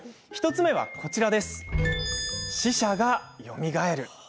１つ目はこちら。